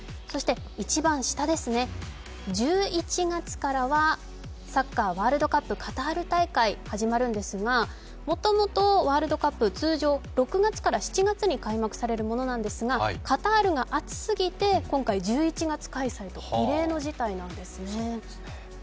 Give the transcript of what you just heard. そして一番下ですね、１１月からはサッカーワールドカップカタール大会が始まるんですがもともとワールドカップ、通常６月から７月に開催されるものなんですが、カタールが暑すぎて今回１１月開催と異例の事態なんですね。